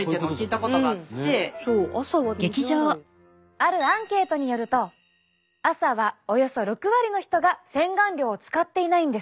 あるアンケートによると朝はおよそ６割の人が洗顔料を使っていないんです。